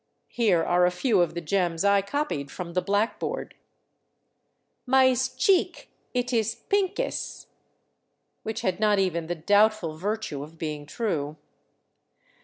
Here are a few of the gems I copied from the blackboard :" Mys cheek it is pinkes "— which had not even the doubtful virtue of being true.